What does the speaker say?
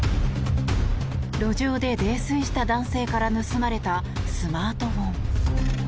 路上で泥酔した男性から盗まれたスマートフォン。